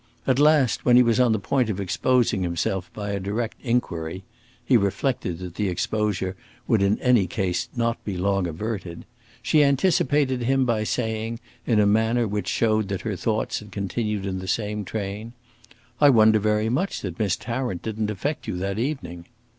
At last, when he was on the point of exposing himself by a direct inquiry (he reflected that the exposure would in any case not be long averted), she anticipated him by saying, in a manner which showed that her thoughts had continued in the same train, "I wonder very much that Miss Tarrant didn't affect you that evening!"